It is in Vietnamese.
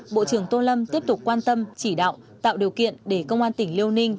bộ trưởng tô lâm tiếp tục quan tâm chỉ đạo tạo điều kiện để công an tỉnh liêu ninh